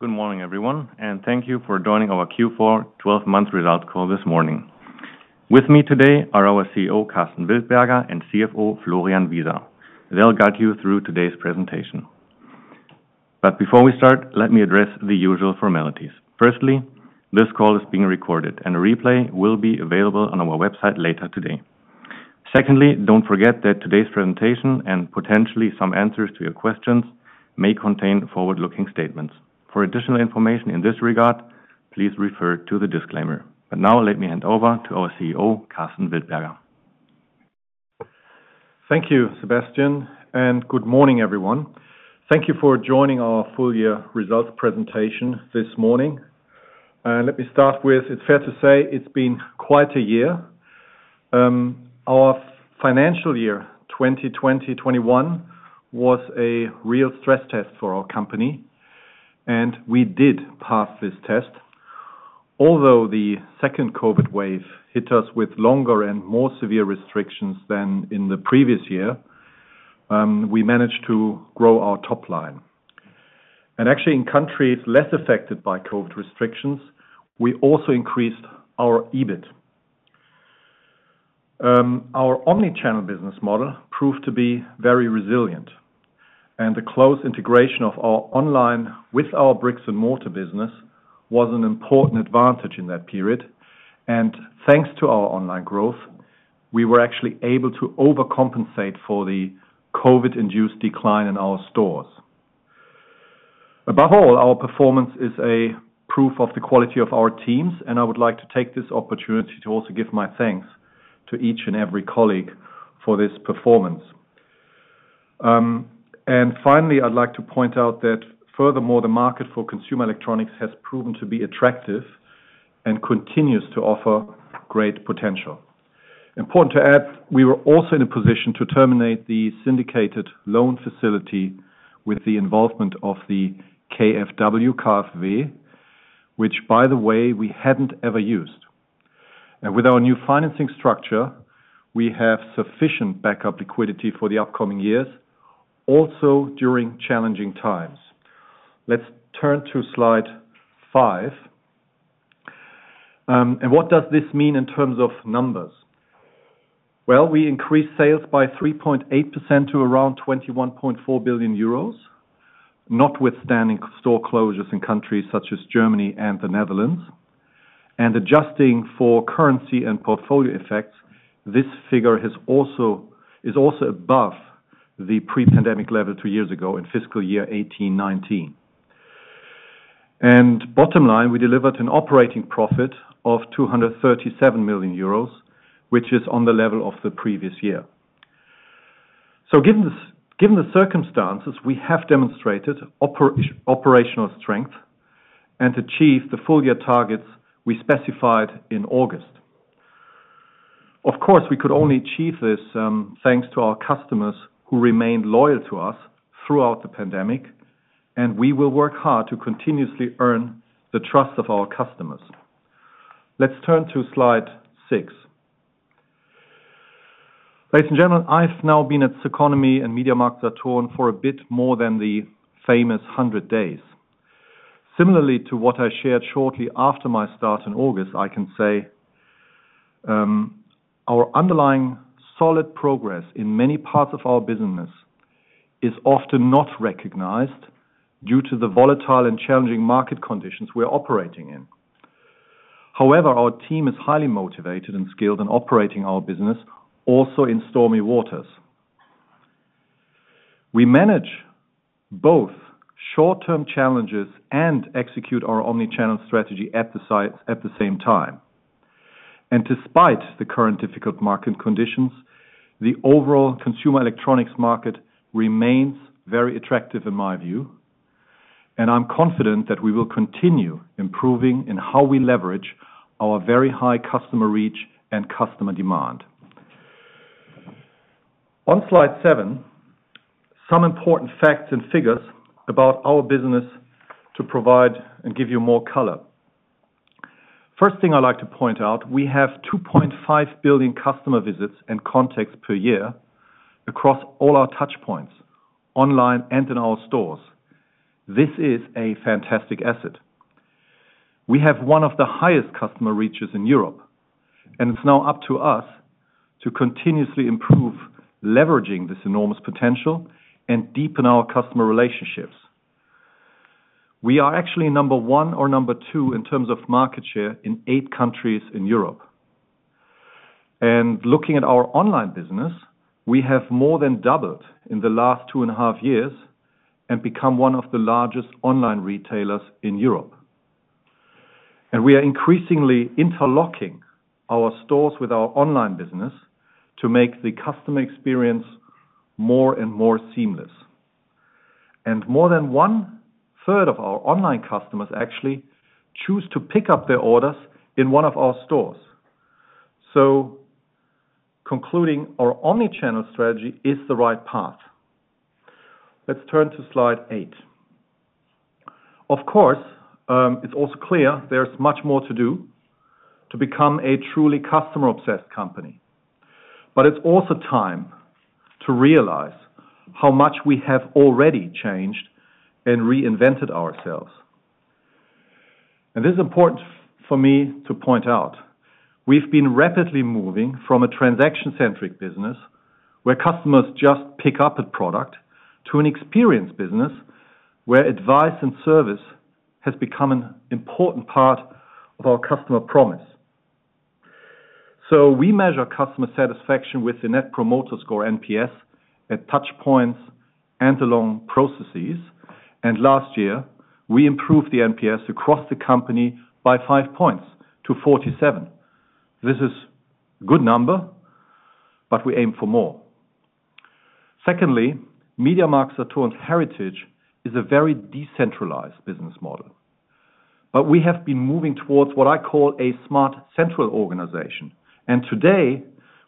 Good morning, everyone, and thank you for joining our Q4 12-month Results Call this morning. With me today are our CEO, Karsten Wildberger, and CFO, Florian Wieser. They'll guide you through today's presentation. Before we start, let me address the usual formalities. Firstly, this call is being recorded and a replay will be available on our website later today. Secondly, don't forget that today's presentation and potentially some answers to your questions may contain forward-looking statements. For additional information in this regard, please refer to the disclaimer. Now let me hand over to our CEO, Karsten Wildberger. Thank you, Sebastian, and good morning, everyone. Thank you for joining our full year results presentation this morning. Let me start with, it's fair to say it's been quite a year. Our financial year 2020-2021 was a real stress test for our company, and we did pass this test. Although the second COVID wave hit us with longer and more severe restrictions than in the previous year, we managed to grow our top line. Actually, in countries less affected by COVID restrictions, we also increased our EBIT. Our omnichannel business model proved to be very resilient, and the close integration of our online with our bricks and mortar business was an important advantage in that period. Thanks to our online growth, we were actually able to overcompensate for the COVID-induced decline in our stores. Above all, our performance is a proof of the quality of our teams, and I would like to take this opportunity to also give my thanks to each and every colleague for this performance. Finally, I'd like to point out that furthermore, the market for consumer electronics has proven to be attractive and continues to offer great potential. Important to add, we were also in a position to terminate the syndicated loan facility with the involvement of the KfW, which by the way, we hadn't ever used. With our new financing structure, we have sufficient backup liquidity for the upcoming years, also during challenging times. Let's turn to slide five. What does this mean in terms of numbers? Well, we increased sales by 3.8% to around 21.4 billion euros, notwithstanding store closures in countries such as Germany and the Netherlands. Adjusting for currency and portfolio effects, this figure is also above the pre-pandemic level two years ago in fiscal year 2018/2019. Bottom line, we delivered an operating profit of 237 million euros, which is on the level of the previous year. Given the circumstances, we have demonstrated operational strength and achieved the full year targets we specified in August. Of course, we could only achieve this thanks to our customers who remained loyal to us throughout the pandemic, and we will work hard to continuously earn the trust of our customers. Let's turn to slide six. Ladies and gentlemen, I've now been at CECONOMY and MediaMarktSaturn for a bit more than the famous 100 days. Similarly to what I shared shortly after my start in August, I can say, our underlying solid progress in many parts of our business is often not recognized due to the volatile and challenging market conditions we're operating in. However, our team is highly motivated and skilled in operating our business, also in stormy waters. We manage both short-term challenges and execute our Omnichannel strategy at the same time. Despite the current difficult market conditions, the overall consumer electronics market remains very attractive in my view, and I'm confident that we will continue improving in how we leverage our very high customer reach and customer demand. On slide seven, some important facts and figures about our business to provide and give you more color. First thing I'd like to point out, we have 2.5 billion customer visits and contacts per year across all our touchpoints, online and in our stores. This is a fantastic asset. We have one of the highest customer reaches in Europe, and it's now up to us to continuously improve leveraging this enormous potential and deepen our customer relationships. We are actually number one or number two in terms of market share in eight countries in Europe. Looking at our online business, we have more than doubled in the last two and a half years and become one of the largest online retailers in Europe. We are increasingly interlocking our stores with our online business to make the customer experience more and more seamless. More than one-third of our online customers actually choose to pick up their orders in one of our stores. Concluding, our Omnichannel strategy is the right path. Let's turn to slide eight. Of course, it's also clear there's much more to do to become a truly customer-obsessed company. It's also time to realize how much we have already changed and reinvented ourselves. This is important for me to point out. We've been rapidly moving from a transaction-centric business where customers just pick up a product to an experience business where advice and service has become an important part of our customer promise. We measure customer satisfaction with the Net Promoter Score, NPS, at touchpoints and along processes. Last year, we improved the NPS across the company by five points to 47. This is good number, but we aim for more. Secondly, MediaMarktSaturn's heritage is a very decentralized business model, but we have been moving towards what I call a smart central organization. Today,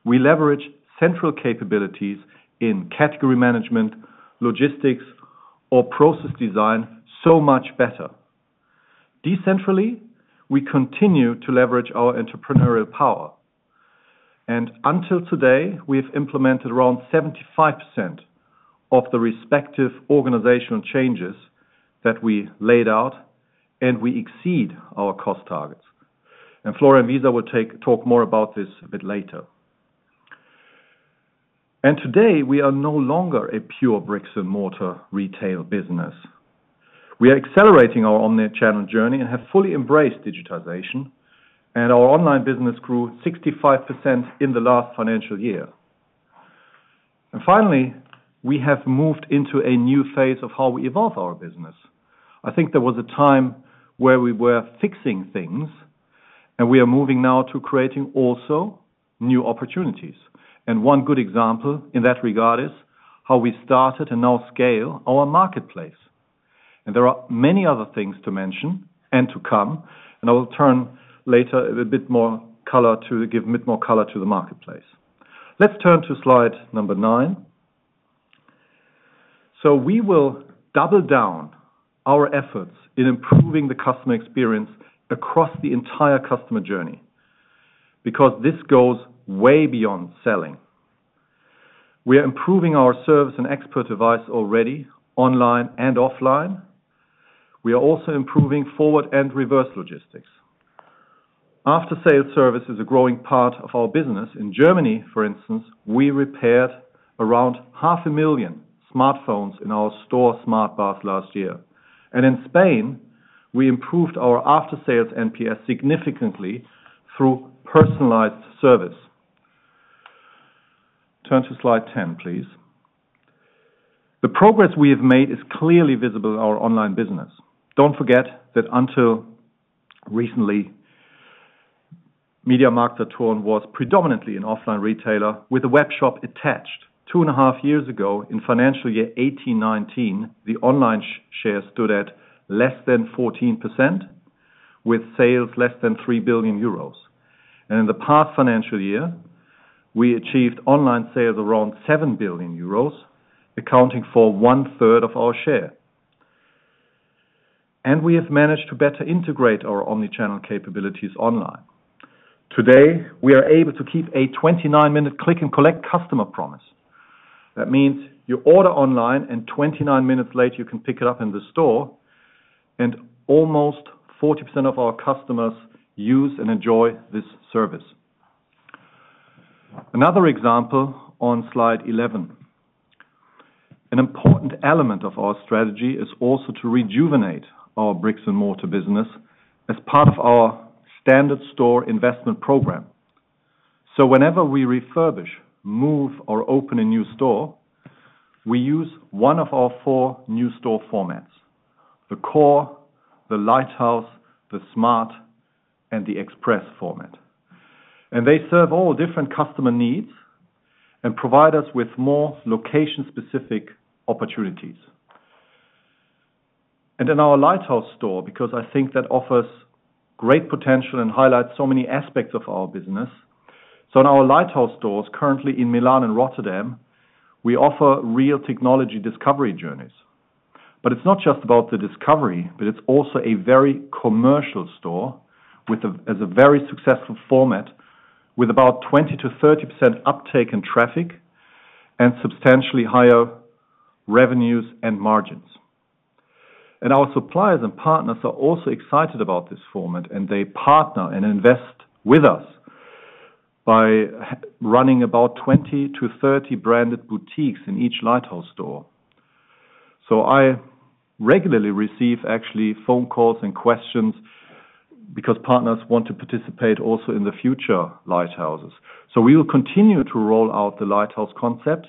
we leverage central capabilities in category management, logistics, or process design so much better. Decentrally, we continue to leverage our entrepreneurial power. Until today, we've implemented around 75% of the respective organizational changes that we laid out, and we exceed our cost targets. Florian Wieser will talk more about this a bit later. Today, we are no longer a pure bricks and mortar retail business. We are accelerating our Omnichannel journey and have fully embraced digitization, and our online business grew 65% in the last financial year. Finally, we have moved into a new phase of how we evolve our business. I think there was a time where we were fixing things, and we are moving now to creating also new opportunities. One good example in that regard is how we started and now scale our marketplace. There are many other things to mention and to come, and I will turn later to give a bit more color to the marketplace. Let's turn to slide number nine. We will double-down our efforts in improving the customer experience across the entire customer journey because this goes way beyond selling. We are improving our service and expert advice already online and offline. We are also improving forward and reverse logistics. After-sale service is a growing part of our business. In Germany, for instance, we repaired around 500,000 smartphones in our store Smartbar last year. In Spain, we improved our after-sales NPS significantly through personalized service. Turn to slide 10, please. The progress we have made is clearly visible in our online business. Don't forget that until recently, MediaMarktSaturn was predominantly an offline retailer with a webshop attached. Two and a half years ago, in financial year 2018-19, the online share stood at less than 14%, with sales less than 3 billion euros. In the past financial year, we achieved online sales around 7 billion euros, accounting for one-third of our share. We have managed to better integrate our Omnichannel capabilities online. Today, we are able to keep a 29-minute click and collect customer promise. That means you order online and 29 minutes later, you can pick it up in the store. Almost 40% of our customers use and enjoy this service. Another example on slide 11. An important element of our strategy is also to rejuvenate our bricks and mortar business as part of our standard store investment program. Whenever we refurbish, move or open a new store, we use one of our four new store formats, the Core, the Lighthouse, the Smart, and the Xpress format. They serve all different customer needs and provide us with more location-specific opportunities. In our Lighthouse store, because I think that offers great potential and highlights so many aspects of our business. In our Lighthouse stores, currently in Milan and Rotterdam, we offer real technology discovery journeys. It's not just about the discovery, but it's also a very commercial store with as a very successful format with about 20%-30% uptake in traffic and substantially higher revenues and margins. Our suppliers and partners are also excited about this format, and they partner and invest with us by running about 20-30 branded boutiques in each Lighthouse store. I regularly receive actually phone calls and questions because partners want to participate also in the future Lighthouses. We will continue to roll out the Lighthouse concept,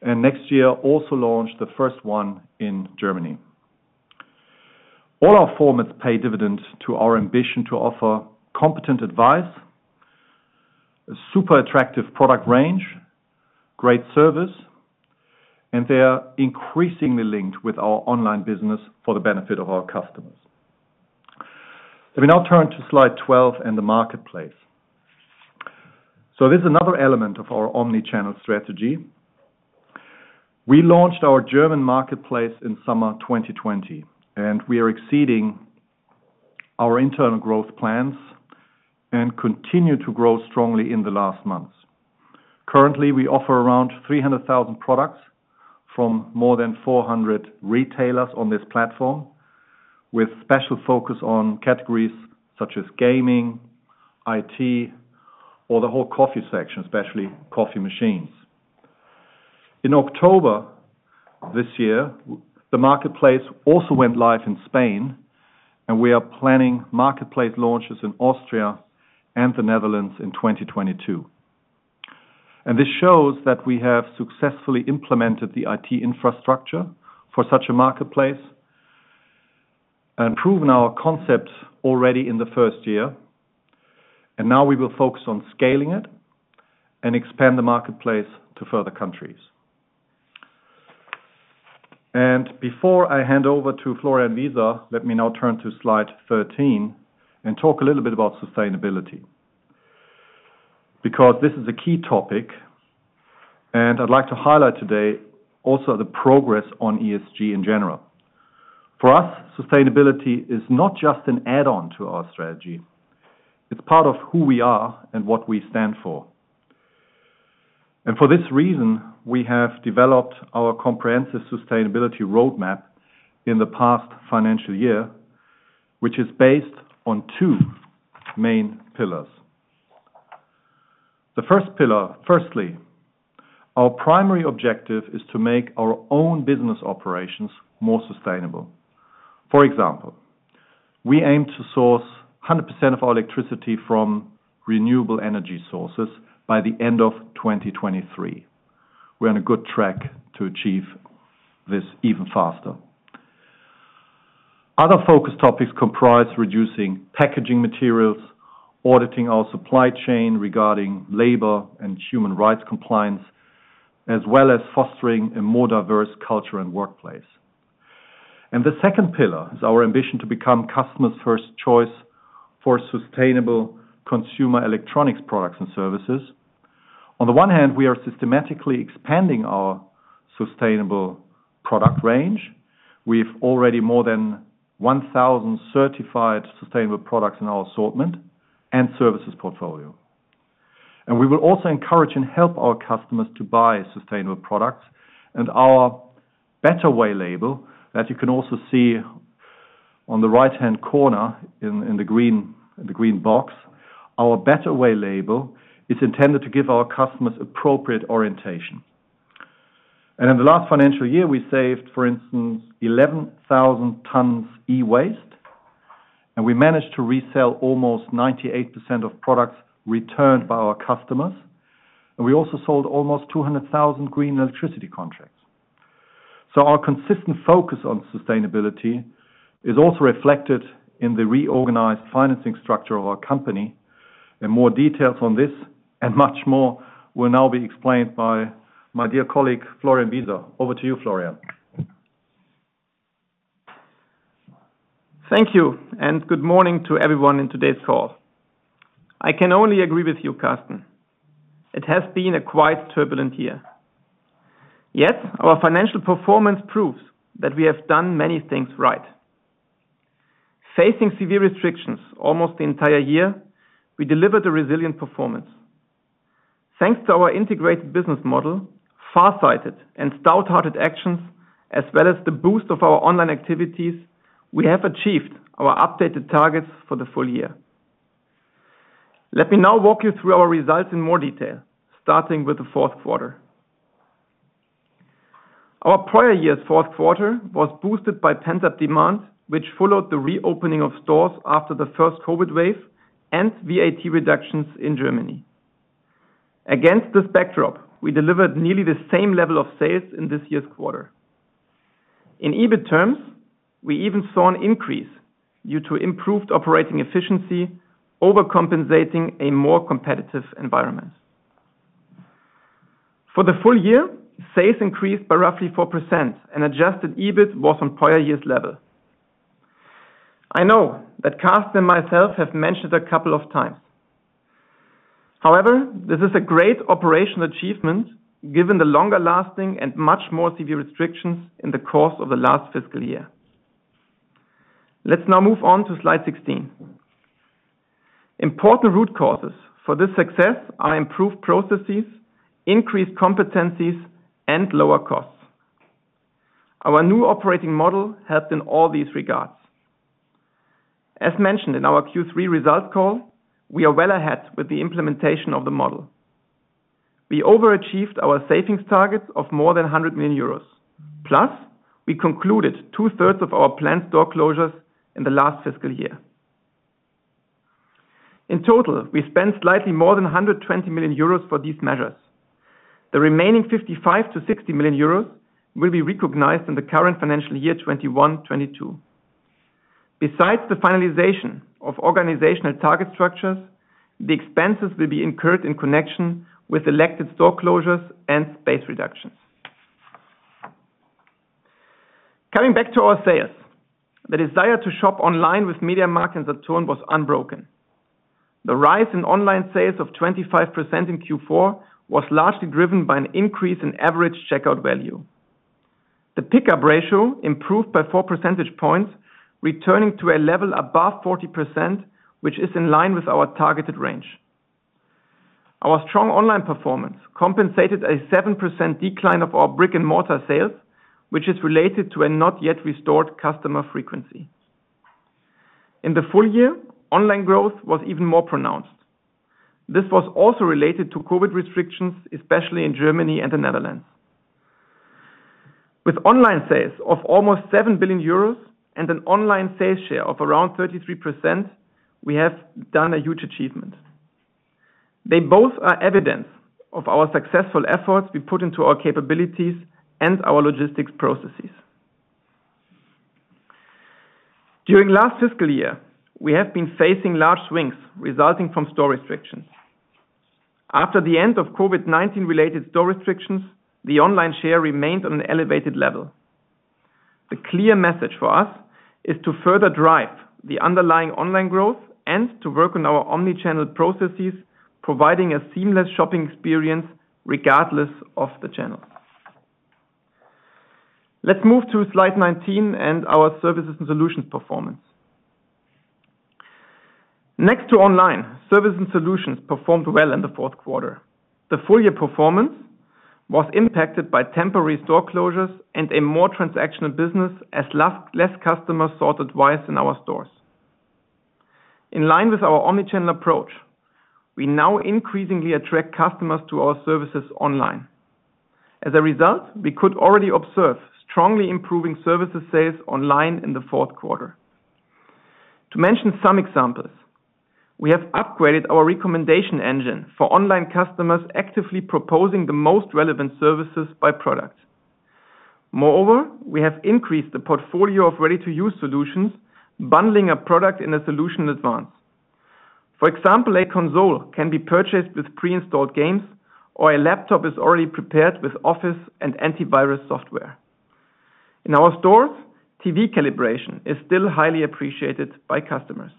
and next year also launch the first one in Germany. All our formats pay dividends to our ambition to offer competent advice, a super attractive product range, great service, and they are increasingly linked with our online business for the benefit of our customers. Let me now turn to slide 12 and the marketplace. This is another element of our Omnichannel strategy. We launched our German marketplace in summer 2020, and we are exceeding our internal growth plans and continue to grow strongly in the last months. Currently, we offer around 300,000 products from more than 400 retailers on this platform, with special focus on categories such as gaming, IT or the whole coffee section, especially coffee machines. In October this year, the marketplace also went live in Spain, and we are planning marketplace launches in Austria and the Netherlands in 2022. This shows that we have successfully implemented the IT infrastructure for such a marketplace and proven our concept already in the first year. Now we will focus on scaling it and expand the marketplace to further countries. Before I hand over to Florian Wieser, let me now turn to slide 13 and talk a little bit about sustainability. This is a key topic, and I'd like to highlight today also the progress on ESG in general. For us, sustainability is not just an add-on to our strategy, it's part of who we are and what we stand for. For this reason, we have developed our comprehensive sustainability roadmap in the past financial year, which is based on two main pillars. The first pillar, firstly, our primary objective is to make our own business operations more sustainable. For example, we aim to source 100% of our electricity from renewable energy sources by the end of 2023. We're on a good track to achieve this even faster. Other focus topics comprise reducing packaging materials, auditing our supply chain regarding labor and human rights compliance, as well as fostering a more diverse culture and workplace. The second pillar is our ambition to become customers' first choice for sustainable consumer electronics products and services. On the one hand, we are systematically expanding our sustainable product range. We've already more than 1,000 certified sustainable products in our assortment and services portfolio. We will also encourage and help our customers to buy sustainable products. Our BetterWay label, as you can also see on the right-hand corner in the green box. Our BetterWay label is intended to give our customers appropriate orientation. In the last financial year, we saved, for instance, 11,000 tons e-waste, and we managed to resell almost 98% of products returned by our customers. We also sold almost 200,000 green electricity contracts. Our consistent focus on sustainability is also reflected in the reorganized financing structure of our company. More details on this and much more will now be explained by my dear colleague, Florian Wieser. Over to you, Florian. Thank you, and good morning to everyone in today's call. I can only agree with you, Karsten. It has been a quite turbulent year. Our financial performance proves that we have done many things right. Facing severe restrictions almost the entire year, we delivered a resilient performance. Thanks to our integrated business model, farsighted and stout-hearted actions, as well as the boost of our online activities, we have achieved our updated targets for the full year. Let me now walk you through our results in more detail, starting with the fourth quarter. Our prior year's fourth quarter was boosted by pent-up demand, which followed the reopening of stores after the first COVID wave and VAT reductions in Germany. Against this backdrop, we delivered nearly the same level of sales in this year's quarter. In EBIT terms, we even saw an increase due to improved operating efficiency overcompensating a more competitive environment. For the full year, sales increased by roughly 4% and adjusted EBIT was on prior year's level. I know that Karsten and myself have mentioned a couple of times. However, this is a great operational achievement given the longer-lasting and much more severe restrictions in the course of the last fiscal year. Let's now move on to slide 16. Important root causes for this success are improved processes, increased competencies, and lower costs. Our new operating model helped in all these regards. As mentioned in our Q3 results call, we are well ahead with the implementation of the model. We overachieved our savings targets of more than 100 million euros. Plus, we concluded two-thirds of our planned store closures in the last fiscal year. In total, we spent slightly more than 120 million euros for these measures. The remaining 55 million-60 million euros will be recognized in the current financial year, 2021/2022. Besides the finalization of organizational target structures, the expenses will be incurred in connection with selected store closures and space reductions. Coming back to our sales, the desire to shop online with MediaMarktSaturn was unbroken. The rise in online sales of 25% in Q4 was largely driven by an increase in average checkout value. The pickup ratio improved by four percentage points, returning to a level above 40%, which is in line with our targeted range. Our strong online performance compensated a 7% decline of our brick-and-mortar sales, which is related to a not yet restored customer frequency. In the full year, online growth was even more pronounced. This was also related to COVID restrictions, especially in Germany and the Netherlands. With online sales of almost 7 billion euros and an online sales share of around 33%, we have done a huge achievement. They both are evidence of our successful efforts we put into our capabilities and our logistics processes. During last fiscal year, we have been facing large swings resulting from store restrictions. After the end of COVID-19 related store restrictions, the online share remained on an elevated level. The clear message for us is to further drive the underlying online growth and to work on our omnichannel processes, providing a seamless shopping experience regardless of the channel. Let's move to slide 19 and our services and solutions performance. Next to online, service and solutions performed well in the fourth quarter. The full year performance was impacted by temporary store closures and a more transactional business as less customers sought advice in our stores. In line with our omnichannel approach, we now increasingly attract customers to our services online. As a result, we could already observe strongly improving services sales online in the fourth quarter. To mention some examples, we have upgraded our recommendation engine for online customers actively proposing the most relevant services by product. Moreover, we have increased the portfolio of ready-to-use solutions, bundling a product in a solution in advance. For example, a console can be purchased with pre-installed games, or a laptop is already prepared with Office and antivirus software. In our stores, TV calibration is still highly appreciated by customers.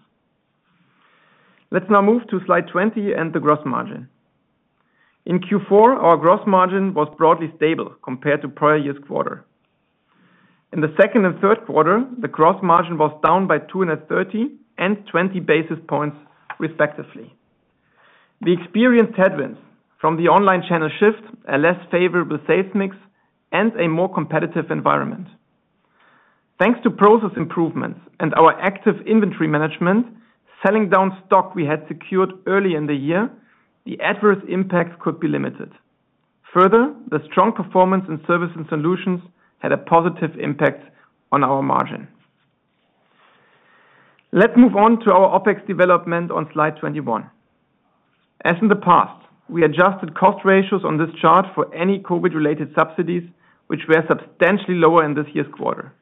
Let's now move to slide 20 and the gross margin. In Q4, our gross margin was broadly stable compared to prior year's quarter. In the second and third quarter, the gross margin was down by 230 and 20 basis points respectively. We experienced headwinds from the online channel shift, a less favorable sales mix, and a more competitive environment. Thanks to process improvements and our active inventory management, selling down stock we had secured early in the year, the adverse impacts could be limited. Further, the strong performance in service and solutions had a positive impact on our margin. Let's move on to our OpEx development on slide 21. As in the past, we adjusted cost ratios on this chart for any COVID-related subsidies, which were substantially lower in this year's quarter.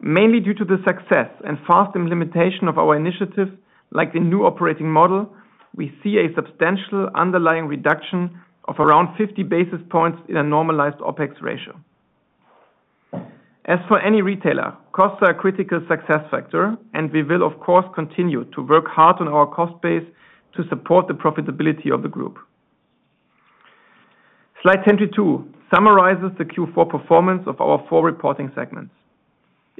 Mainly due to the success and fast implementation of our initiatives, like the new operating model, we see a substantial underlying reduction of around 50 basis points in a normalized OpEx ratio. As for any retailer, costs are a critical success factor and we will of course, continue to work hard on our cost base to support the profitability of the group. Slide 22 summarizes the Q4 performance of our four reporting segments.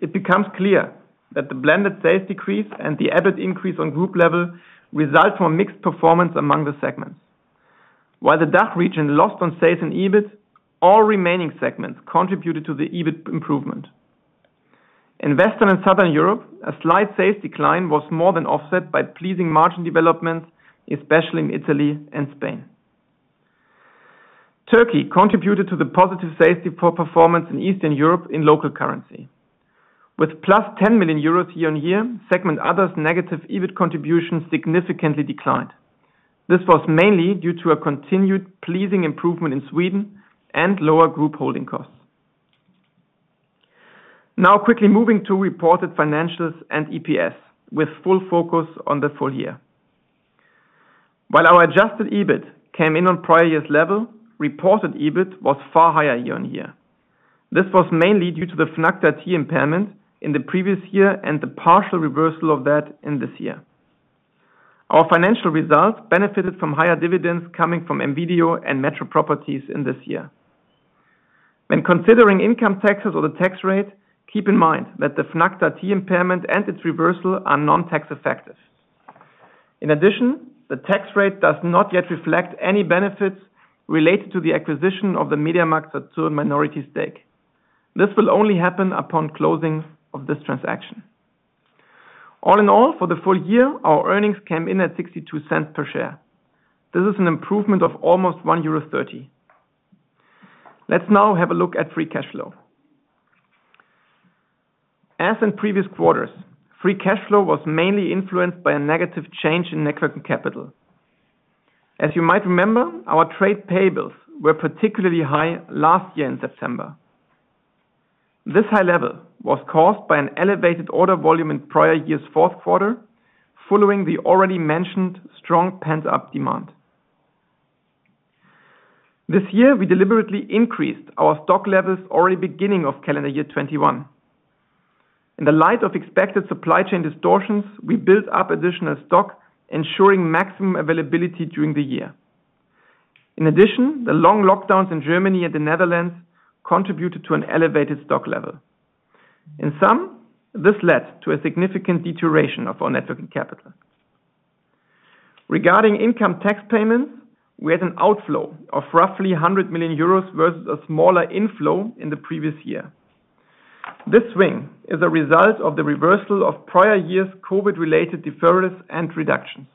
It becomes clear that the blended sales decrease and the EBIT increase on group level result from mixed performance among the segments. While the DACH region lost on sales and EBIT, all remaining segments contributed to the EBIT improvement. In Western and Southern Europe, a slight sales decline was more than offset by pleasing margin development, especially in Italy and Spain. Turkey contributed to the positive sales performance in Eastern Europe in local currency. With plus 10 million euros year-on-year, segment Others negative EBIT contributions significantly declined. This was mainly due to a continued pleasing improvement in Sweden and lower group holding costs. Now quickly moving to reported financials and EPS with full focus on the full year. While our adjusted EBIT came in on prior year's level, reported EBIT was far higher year-on-year. This was mainly due to the Fnac Darty impairment in the previous year and the partial reversal of that in this year. Our financial results benefited from higher dividends coming from M.Video and METRO PROPERTIES in this year. When considering income taxes or the tax rate, keep in mind that the Fnac Darty impairment and its reversal are non-tax effective. In addition, the tax rate does not yet reflect any benefits related to the acquisition of the MediaMarktSaturn minority stake. This will only happen upon closing of this transaction. All in all, for the full year, our earnings came in at 0.62 per share. This is an improvement of almost 1.30 euro. Let's now have a look at free cash flow. As in previous quarters, free cash flow was mainly influenced by a negative change in net working capital. As you might remember, our trade payables were particularly high last year in September. This high level was caused by an elevated order volume in prior year's fourth quarter following the already mentioned strong pent-up demand. This year, we deliberately increased our stock levels already beginning of calendar year 2021. In the light of expected supply chain distortions, we built up additional stock, ensuring maximum availability during the year. In addition, the long lockdowns in Germany and the Netherlands contributed to an elevated stock level. In sum, this led to a significant deterioration of our net working capital. Regarding income tax payments, we had an outflow of roughly 100 million euros versus a smaller inflow in the previous year. This swing is a result of the reversal of prior years' COVID-related deferrals and reductions.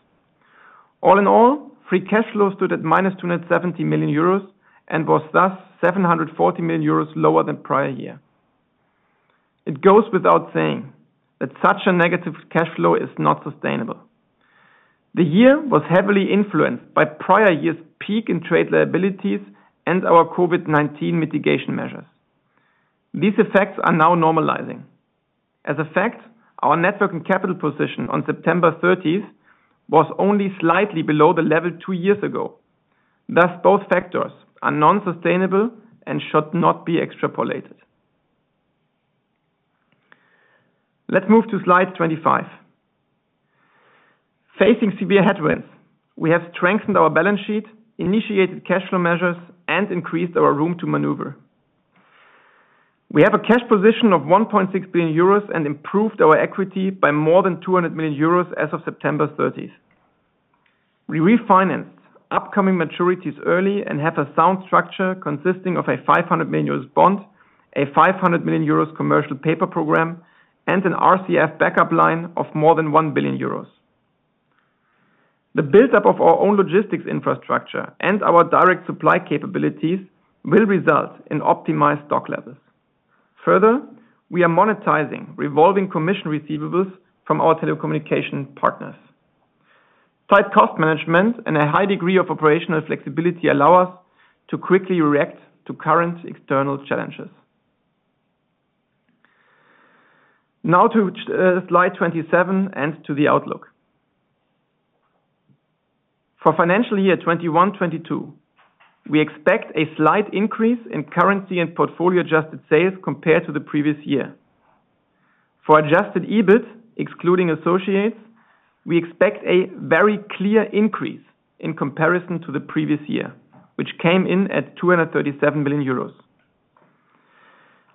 All in all, free cash flow stood at -270 million euros and was thus 740 million euros lower than prior year. It goes without saying that such a negative cash flow is not sustainable. The year was heavily influenced by prior year's peak in trade liabilities and our COVID-19 mitigation measures. These effects are now normalizing. As a fact, our net working capital position on September 30 was only slightly below the level two years ago. Thus, both factors are non-sustainable and should not be extrapolated. Let's move to slide 25. Facing severe headwinds, we have strengthened our balance sheet, initiated cash flow measures, and increased our room to maneuver. We have a cash position of 1.6 billion euros and improved our equity by more than 200 million euros as of September 30. We refinanced upcoming maturities early and have a sound structure consisting of a 500 million euros bond, a 500 million euros commercial paper program, and an RCF backup line of more than 1 billion euros. The buildup of our own logistics infrastructure and our direct supply capabilities will result in optimized stock levels. Further, we are monetizing revolving commission receivables from our telecommunication partners. Tight cost management and a high degree of operational flexibility allow us to quickly react to current external challenges. Now to slide 27 and to the outlook. For financial year 2021-2022, we expect a slight increase in currency and portfolio-adjusted sales compared to the previous year. For adjusted EBIT, excluding associates, we expect a very clear increase in comparison to the previous year, which came in at 237 million euros.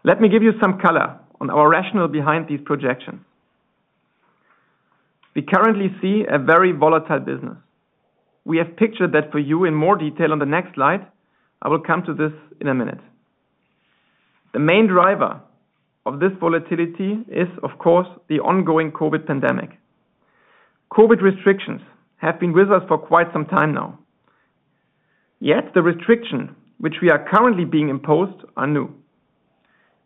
Let me give you some color on our rationale behind these projections. We currently see a very volatile business. We have pictured that for you in more detail on the next slide. I will come to this in a minute. The main driver of this volatility is, of course, the ongoing COVID pandemic. COVID restrictions have been with us for quite some time now. Yet the restriction which we are currently being imposed are new.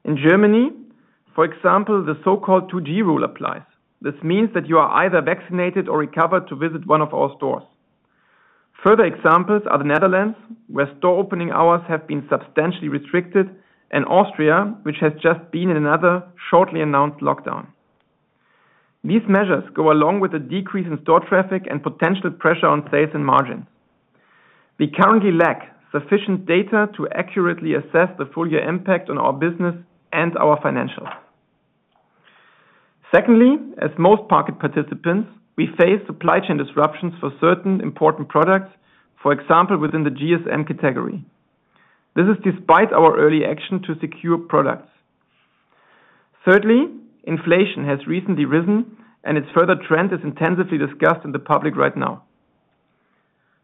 In Germany, for example, the so-called 2G rule applies. This means that you are either vaccinated or recovered to visit one of our stores. Further examples are the Netherlands, where store opening hours have been substantially restricted, and Austria, which has just been in another shortly announced lockdown. These measures go along with a decrease in store traffic and potential pressure on sales and margin. We currently lack sufficient data to accurately assess the full year impact on our business and our financials. Secondly, as most market participants, we face supply chain disruptions for certain important products, for example, within the GSM category. This is despite our early action to secure products. Thirdly, inflation has recently risen, and its further trend is intensively discussed in the public right now.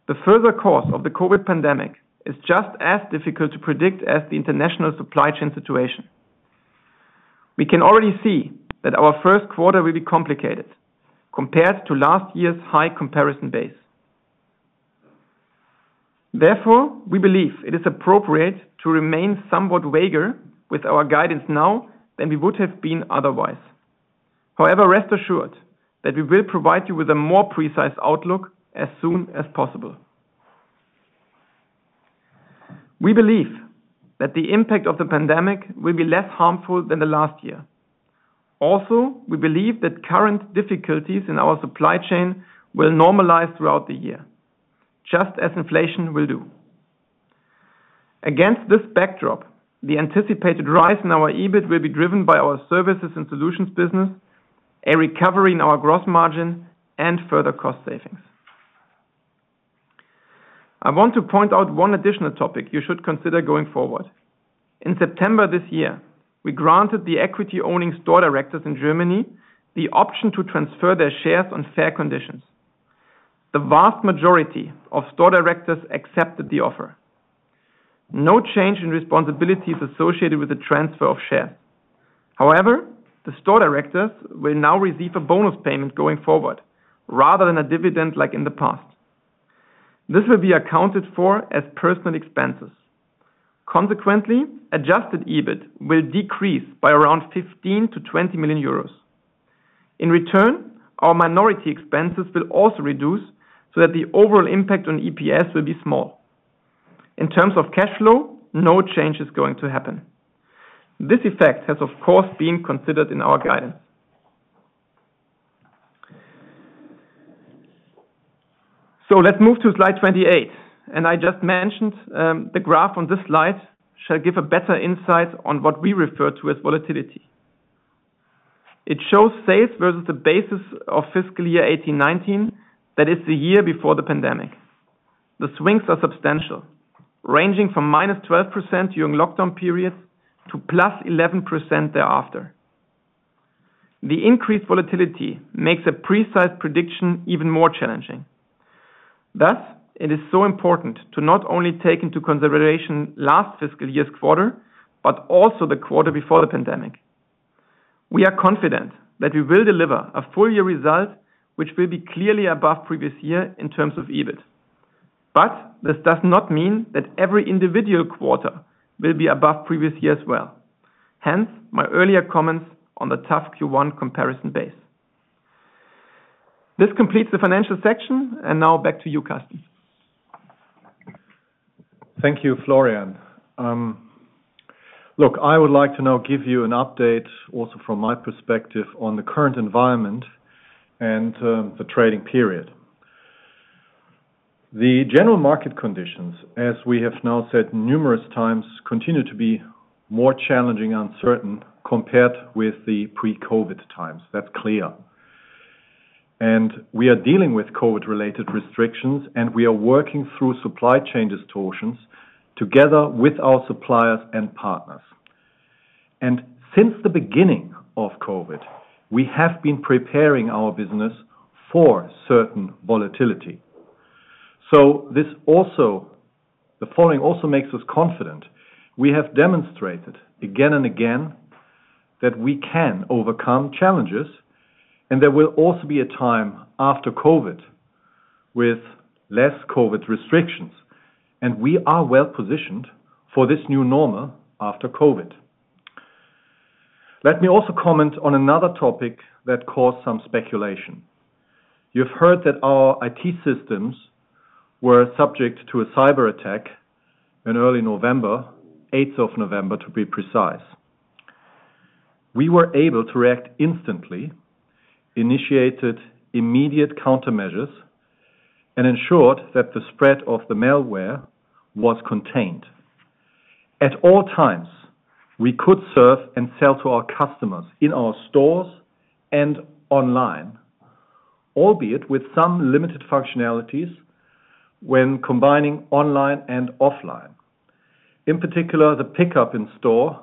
The further course of the COVID pandemic is just as difficult to predict as the international supply chain situation. We can already see that our first quarter will be complicated compared to last year's high comparison base. Therefore, we believe it is appropriate to remain somewhat vaguer with our guidance now than we would have been otherwise. However, rest assured that we will provide you with a more precise outlook as soon as possible. We believe that the impact of the pandemic will be less harmful than the last year. We believe that current difficulties in our supply chain will normalize throughout the year, just as inflation will do. Against this backdrop, the anticipated rise in our EBIT will be driven by our services and solutions business, a recovery in our gross margin, and further cost savings. I want to point out one additional topic you should consider going forward. In September this year, we granted the equity-owning store directors in Germany the option to transfer their shares on fair conditions. The vast majority of store directors accepted the offer. No change in responsibility is associated with the transfer of shares. However, the store directors will now receive a bonus payment going forward, rather than a dividend like in the past. This will be accounted for as personnel expenses. Consequently, adjusted EBIT will decrease by around 15 million-20 million euros. In return, our minority expenses will also reduce so that the overall impact on EPS will be small. In terms of cash flow, no change is going to happen. This effect has, of course, been considered in our guidance. Let's move to slide 28. I just mentioned the graph on this slide shall give a better insight on what we refer to as volatility. It shows sales versus the basis of fiscal year 2018-2019, that is the year before the pandemic. The swings are substantial, ranging from -12% during lockdown periods to +11% thereafter. The increased volatility makes a precise prediction even more challenging. Thus, it is so important to not only take into consideration last fiscal year's quarter, but also the quarter before the pandemic. We are confident that we will deliver a full year result, which will be clearly above previous year in terms of EBIT. This does not mean that every individual quarter will be above previous year as well, hence my earlier comments on the tough Q1 comparison base. This completes the financial section, and now back to you, Karsten. Thank you, Florian. Look, I would like to now give you an update also from my perspective on the current environment and the trading period. The general market conditions, as we have now said numerous times, continue to be more challenging and uncertain compared with the pre-COVID times. That's clear. We are dealing with COVID-related restrictions, and we are working through supply chain distortions together with our suppliers and partners. Since the beginning of COVID, we have been preparing our business for certain volatility. The following also makes us confident. We have demonstrated again and again that we can overcome challenges, and there will also be a time after COVID with less COVID restrictions, and we are well-positioned for this new normal after COVID. Let me also comment on another topic that caused some speculation. You've heard that our IT systems were subject to a cyberattack in early November, 8th of November, to be precise. We were able to react instantly, initiated immediate countermeasures, and ensured that the spread of the malware was contained. At all times, we could serve and sell to our customers in our stores and online, albeit with some limited functionalities when combining online and offline. In particular, the pickup in store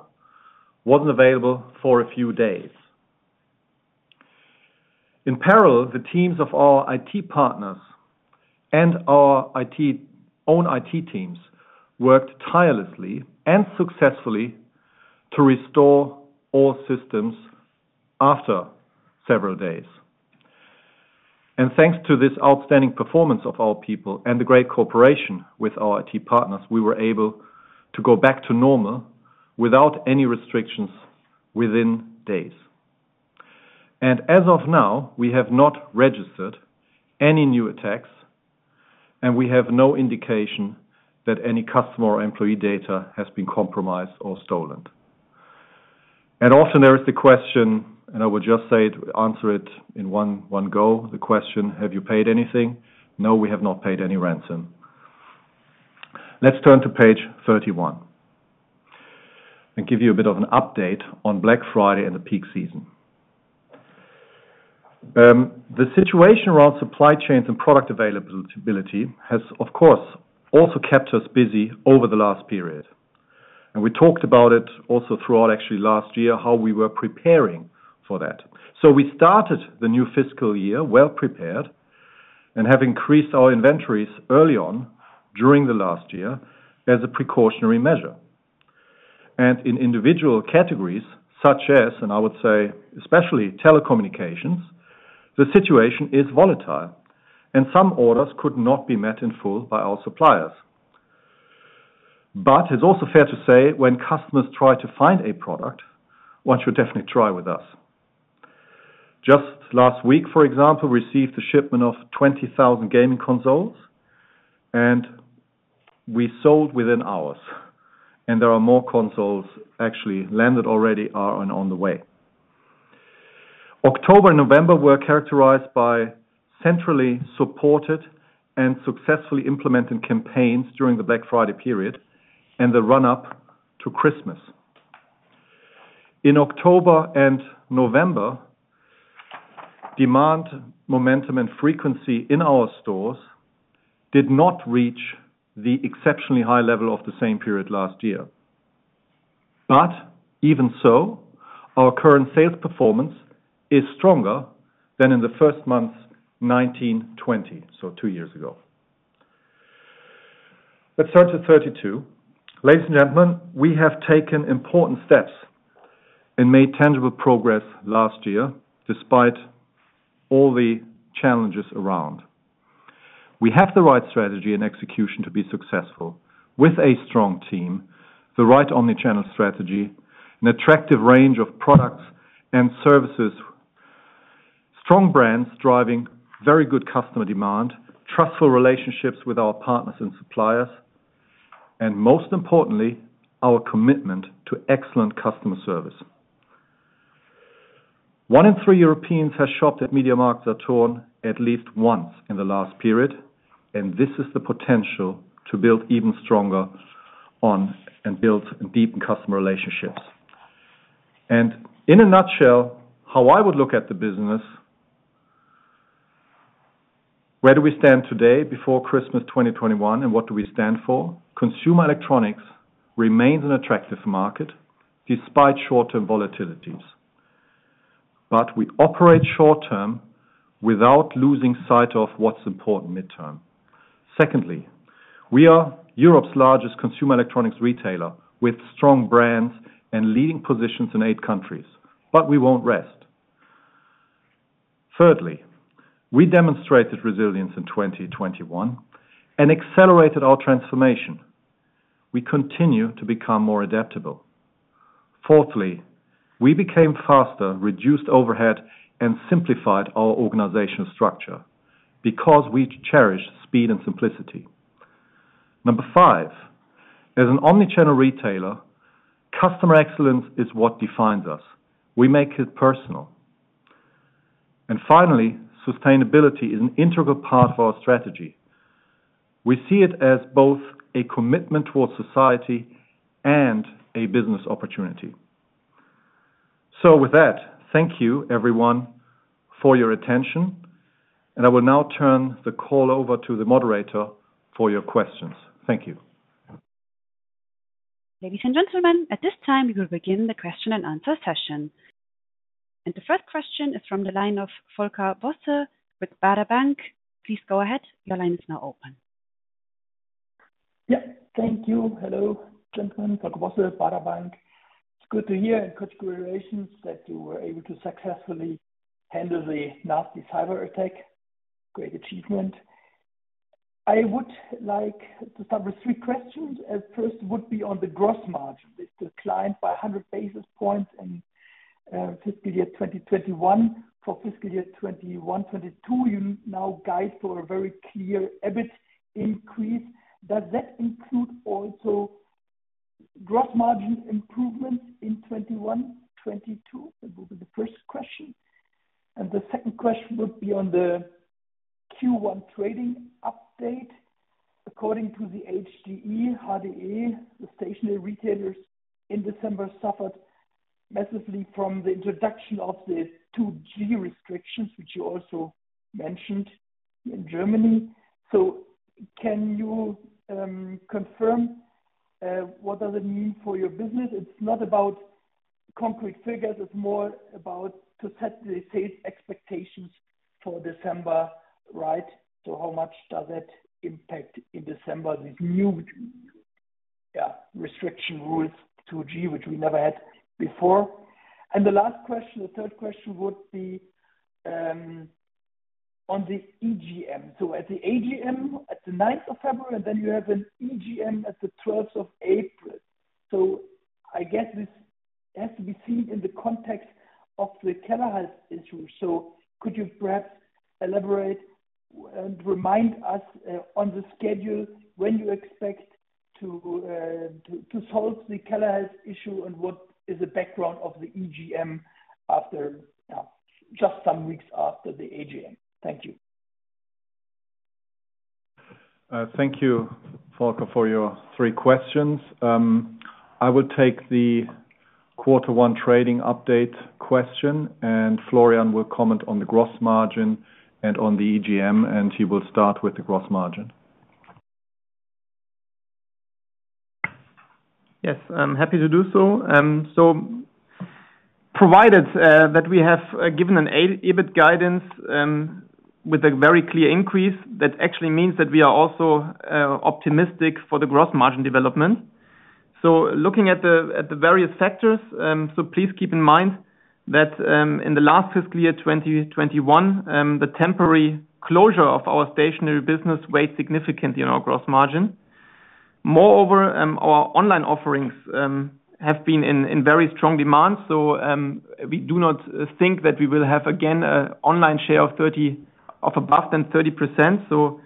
wasn't available for a few days. In parallel, the teams of our IT partners and our own IT teams worked tirelessly and successfully to restore all systems after several days. Thanks to this outstanding performance of our people and the great cooperation with our IT partners, we were able to go back to normal without any restrictions within days. As of now, we have not registered any new attacks, and we have no indication that any customer or employee data has been compromised or stolen. Often there is the question, and I would just say to answer it in one go. The question, have you paid anything? No, we have not paid any ransom. Let's turn to page 31 and give you a bit of an update on Black Friday and the peak season. The situation around supply chains and product availability has, of course, also kept us busy over the last period. We talked about it also throughout actually last year, how we were preparing for that. We started the new fiscal year well-prepared and have increased our inventories early on during the last year as a precautionary measure. In individual categories, such as, and I would say especially telecommunications, the situation is volatile, and some orders could not be met in full by our suppliers. It's also fair to say when customers try to find a product, one should definitely try with us. Just last week, for example, we received a shipment of 20,000 gaming consoles, and we sold within hours, and there are more consoles actually landed already are on the way. October, November were characterized by centrally supported and successfully implemented campaigns during the Black Friday period and the run-up to Christmas. In October and November, demand, momentum, and frequency in our stores did not reach the exceptionally high level of the same period last year. Even so, our current sales performance is stronger than in the first months, 2019-2020, so two years ago. Let's turn to 32. Ladies and gentlemen, we have taken important steps and made tangible progress last year despite all the challenges around. We have the right strategy and execution to be successful with a strong team, the right omnichannel strategy, an attractive range of products and services, strong brands driving very good customer demand, trustful relationships with our partners and suppliers, and most importantly, our commitment to excellent customer service. One in three Europeans has shopped at MediaMarktSaturn at least once in the last period, and this is the potential to build even stronger on and build deep customer relationships. In a nutshell, how I would look at the business. Where do we stand today before Christmas 2021, and what do we stand for? Consumer electronics remains an attractive market despite short-term volatilities. We operate short-term without losing sight of what's important mid-term. Secondly, we are Europe's largest consumer electronics retailer with strong brands and leading positions in eight countries, but we won't rest. Thirdly, we demonstrated resilience in 2021 and accelerated our transformation. We continue to become more adaptable. Fourthly, we became faster, reduced overhead, and simplified our organizational structure because we cherish speed and simplicity. Number five, as an omnichannel retailer, customer excellence is what defines us. We make it personal. Finally, sustainability is an integral part of our strategy. We see it as both a commitment towards society and a business opportunity. With that, thank you everyone for your attention, and I will now turn the call over to the moderator for your questions. Thank you. Ladies and gentlemen, at this time, we will begin the question and answer session. The first question is from the line of Volker Bosse with Baader Bank. Please go ahead. Your line is now open. Yeah. Thank you. Hello, gentlemen. Volker Bosse, Baader Bank. It's good to hear, and congratulations that you were able to successfully handle the nasty cyber attack. Great achievement. I would like to start with three questions. At first, would be on the gross margin. It declined by 100 basis points in fiscal year 2021. For fiscal year 2021/2022, you now guide for a very clear EBIT increase. Does that include also gross margin improvements in 2021/2022? That will be the first question. The second question would be on the Q1 trading update. According to the HDE, the stationary retailers in December suffered massively from the introduction of the 2G restrictions, which you also mentioned in Germany. Can you confirm what does it mean for your business? It's not about concrete figures, it's more about setting safe expectations for December, right? How much does that impact in December, this new restriction rules, 2G, which we never had before. The last question, the third question would be on the EGM. At the AGM, at the February 9th, and then you have an EGM at the April 12th. I guess this has to be seen in the context of the Kellerhals issue. Could you perhaps elaborate and remind us on the schedule, when you expect to solve the Kellerhals issue and what is the background of the EGM after just some weeks after the AGM? Thank you. Thank you, Volker, for your three questions. I would take the quarter one trading update question, and Florian will comment on the gross margin and on the EGM, and he will start with the gross margin. Yes, I'm happy to do so. Provided that we have given an EBIT guidance with a very clear increase, that actually means that we are also optimistic for the gross margin development. Looking at the various factors, please keep in mind that in the last fiscal year, 2021, the temporary closure of our stationary business weighed significantly on our gross margin. Moreover, our online offerings have been in very strong demand. We do not think that we will have again an online share of above 30%.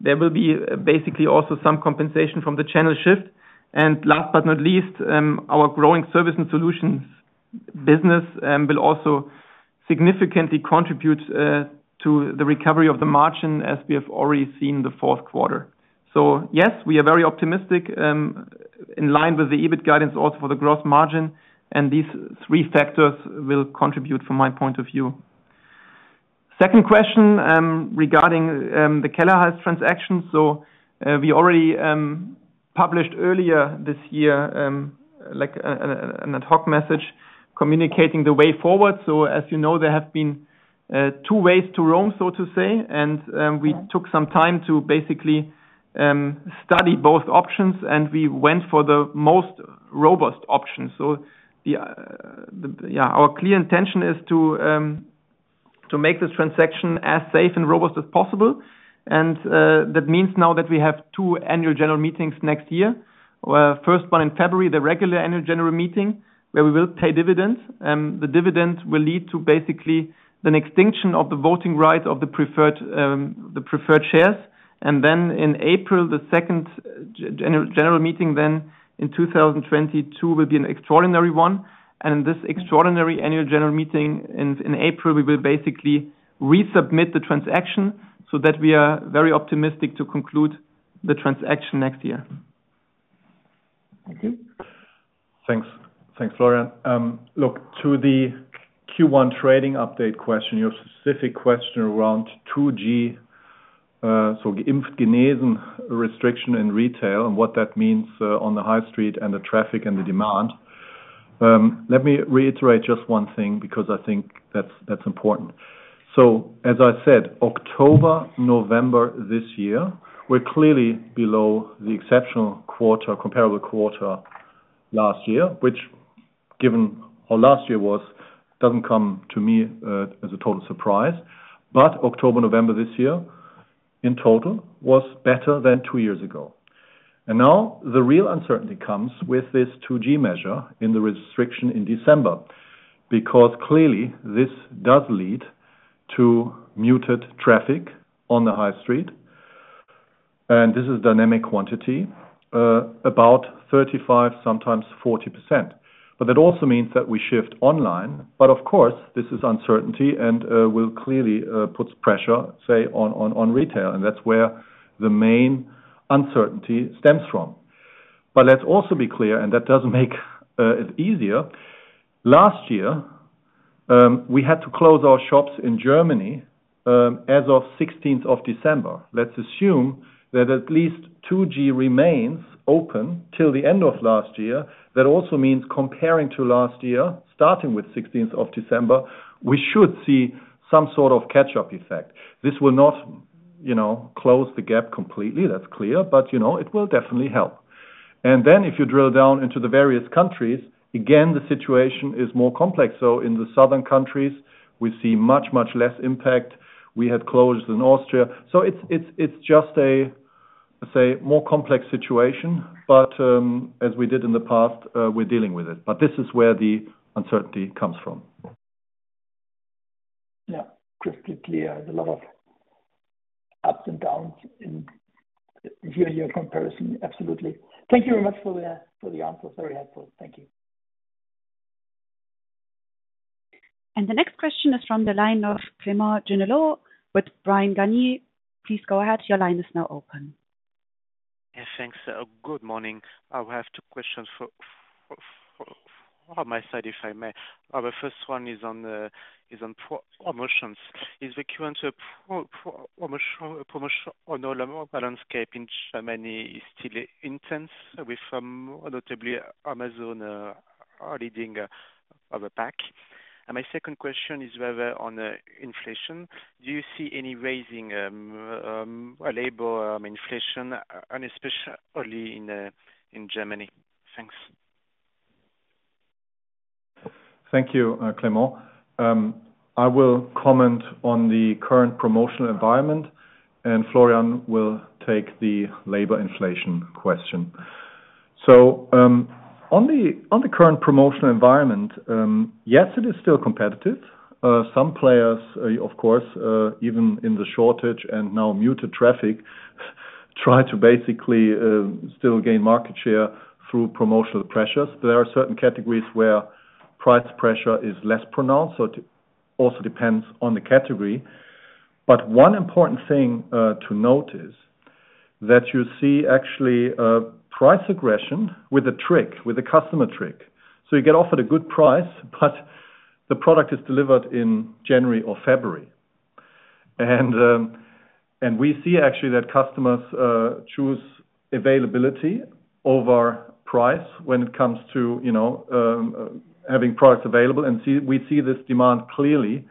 There will be basically also some compensation from the channel shift. Last but not least, our growing service and solutions business will also significantly contribute to the recovery of the margin as we have already seen the fourth quarter. Yes, we are very optimistic in line with the EBIT guidance also for the gross margin. These three factors will contribute from my point of view. Second question regarding the Kellerhals transaction. We already published earlier this year, like, an ad hoc message communicating the way forward. As you know, there have been two ways to Rome, so to say. We took some time to basically study both options, and we went for the most robust option. Yeah, our clear intention is to make this transaction as safe and robust as possible. That means now that we have two annual general meetings next year. First one in February, the regular Annual General Meeting, where we will pay dividends. The dividend will lead to basically an extinction of the voting rights of the preferred shares. In April, the second general meeting in 2022 will be an extraordinary one. In this extraordinary Annual General Meeting in April, we will basically resubmit the transaction so that we are very optimistic to conclude the transaction next year. Thank you. Thanks. Thanks, Florian. Look to Q1 trading update question, your specific question around 2G, geimpft, genesen restriction in retail and what that means on the high street and the traffic and the demand. Let me reiterate just one thing because I think that's important. As I said, October, November this year were clearly below the exceptional quarter, comparable quarter last year, which given how last year was, doesn't come to me as a total surprise. October, November this year in total was better than two years ago. Now the real uncertainty comes with this 2G measure in the restriction in December, because clearly this does lead to muted traffic on the high street. This is dynamic quantity about 35, sometimes 40%. That also means that we shift online. Of course, this is uncertainty and will clearly puts pressure, say, on retail. That's where the main uncertainty stems from. Let's also be clear, and that doesn't make it easier. Last year, we had to close our shops in Germany, as of December 16th. Let's assume that at least 2G remains open till the end of last year. That also means comparing to last year, starting with December 16th, we should see some sort of catch-up effect. This will not, you know, close the gap completely, that's clear. You know, it will definitely help. If you drill down into the various countries, again, the situation is more complex. In the southern countries, we see much less impact. We had closed in Austria. It's just a, say, more complex situation. As we did in the past, we're dealing with it. This is where the uncertainty comes from. Yeah. Crystal clear. There's a lot of ups and downs in hearing your comparison. Absolutely. Thank you very much for the, for the answers. Very helpful. Thank you. The next question is from the line of Clément Genelot with Bryan, Garnier & Co. Please go ahead. Your line is now open. Yeah, thanks. Good morning. I have two questions for my side, if I may. Our first one is on promotions. Is the current promotion on all level competitive landscape in Germany still intense with some, notably Amazon, leading of a pack? My second question is whether on inflation, do you see any rising labor inflation, and especially in Germany? Thanks. Thank you, Clément. I will comment on the current promotional environment, and Florian will take the labor inflation question. On the current promotional environment, yes, it is still competitive. Some players, of course, even in the shortage and now muted traffic, try to basically still gain market share through promotional pressures. There are certain categories where price pressure is less pronounced, so it also depends on the category. One important thing to note is that you see actually a price aggression with a trick, with a customer trick. You get offered a good price, but the product is delivered in January or February. We see actually that customers choose availability over price when it comes to, you know, having products available. See, we see this demand clearly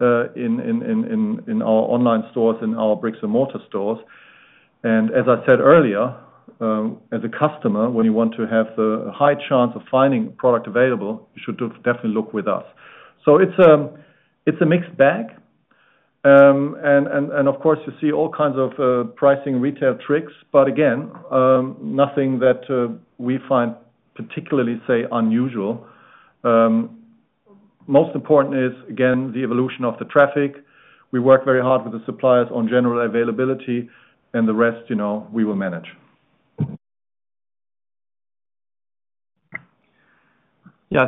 in our online stores and our brick-and-mortar stores. As I said earlier, as a customer, when you want to have the high chance of finding a product available, you should definitely look with us. It's a mixed bag. Of course you see all kinds of pricing retail tricks. Again, nothing that we find particularly, say, unusual. Most important is again, the evolution of the traffic. We work very hard with the suppliers on general availability and the rest, you know, we will manage.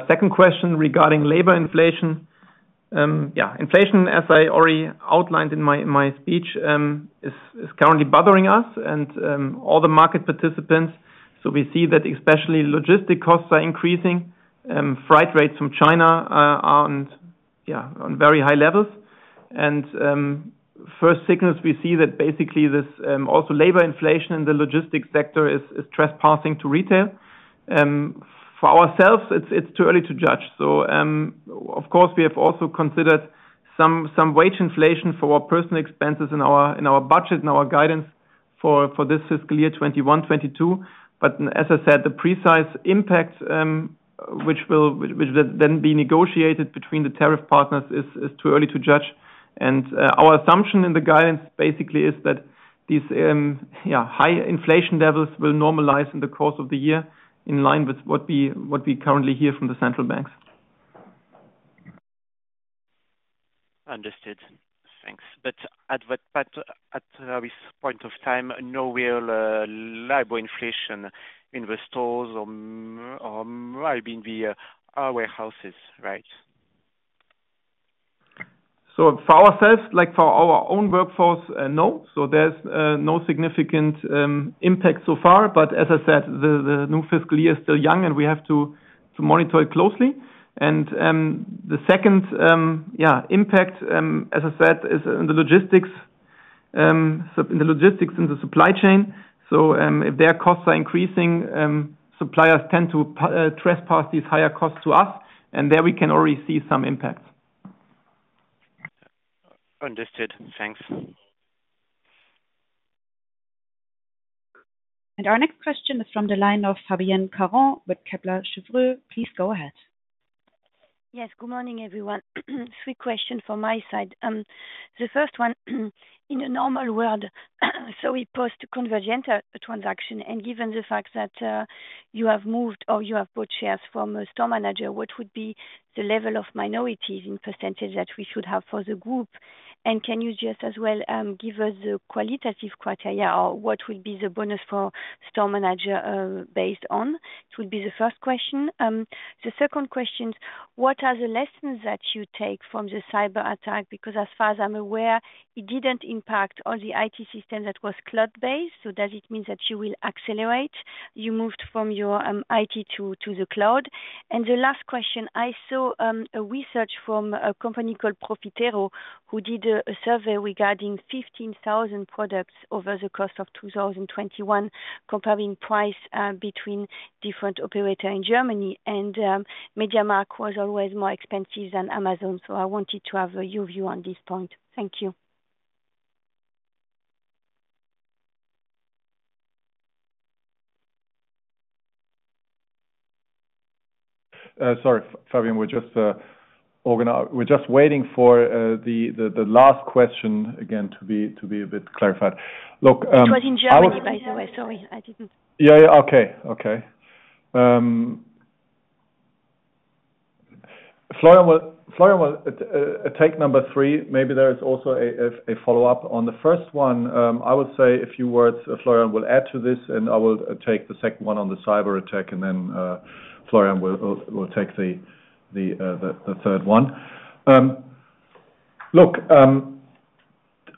Second question regarding labor inflation. Inflation, as I already outlined in my speech, is currently bothering us and all the market participants. We see that especially logistics costs are increasing. Freight rates from China are on very high levels. First signals we see that basically this also labor inflation in the logistics sector is transferring to retail. For ourselves, it's too early to judge. Of course, we have also considered some wage inflation for our personnel expenses in our budget and our guidance for this fiscal year 2021/2022. But as I said, the precise impact, which will then be negotiated between the tariff partners, is too early to judge. Our assumption in the guidance basically is that these high inflation levels will normalize in the course of the year in line with what we currently hear from the central banks. Understood. Thanks. At this point of time, no real labor inflation in the stores or maybe in the warehouses, right? For ourselves, like for our own workforce, no. There's no significant impact so far. As I said, the new fiscal year is still young, and we have to monitor it closely. The second, yeah, impact, as I said, is in the logistics, so in the logistics, in the supply chain. If their costs are increasing, suppliers tend to pass these higher costs to us, and there we can already see some impacts. Understood. Thanks. Our next question is from the line of Fabienne Caron with Kepler Cheuvreux. Please go ahead. Yes. Good morning, everyone. Three questions from my side. The first one, in a normal world, so we post Convergenta transaction, and given the fact that you have moved or you have bought shares from a store manager, what would be the level of minorities in percentage that we should have for the group? And can you just as well give us the qualitative criteria or what will be the bonus for store manager based on? It would be the first question. The second question, what are the lessons that you take from the cyber attack? Because as far as I'm aware, it didn't impact all the IT system that was cloud-based. So does it means that you will accelerate, you moved from your IT to the cloud? The last question, I saw a research from a company called Profitero, who did a survey regarding 15,000 products over the course of 2021, comparing price between different operators in Germany. MediaMarkt was always more expensive than Amazon? I wanted to have your view on this point. Thank you. Sorry, Fabienne. We're just waiting for the last question again to be a bit clarified. Look, I would- It was in Germany, by the way. Sorry, I didn't. Yeah, yeah. Okay. Okay. Florian will take number three. Maybe there is also a follow-up. On the first one, I would say a few words. Florian will add to this, and I will take the second one on the cyberattack, and then, Florian will take the third one. Look,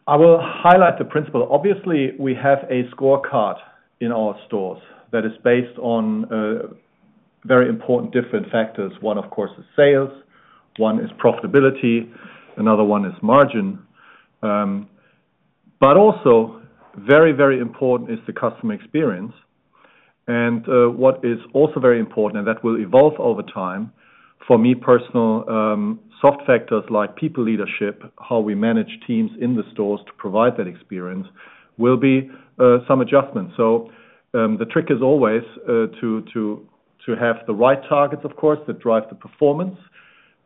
I will highlight the principle. Obviously, we have a scorecard in our stores that is based on very important different factors. One, of course, is sales, one is profitability, another one is margin. But also very, very important is the customer experience. What is also very important, and that will evolve over time, for me personally, soft factors like people leadership, how we manage teams in the stores to provide that experience will be some adjustments. The trick is always to have the right targets, of course, that drive the performance.